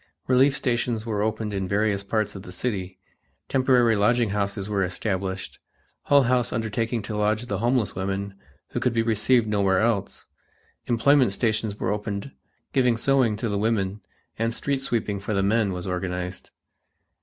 Relief stations were opened in various part of the city, temporary lodging houses were established, Hull House undertaking to lodge the homeless women who could be received nowhere else; employment stations were opened giving sewing to the women, and street sweeping for the men was organized.